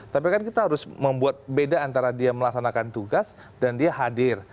tapi kan kita harus membuat beda antara dia melaksanakan tugas dan dia hadir